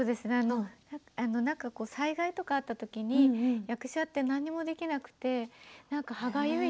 なんか災害とかあったときに役者って何もできなくて歯がゆい。